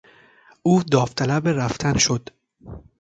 او داوطلب رفتن شد.